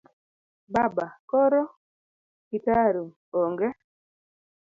Baba:koro? Kitaru: ong'e